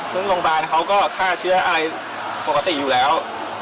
ซึ่งโรงพยาบาลเขาก็ฆ่าเชื้ออะไรปกติอยู่แล้ว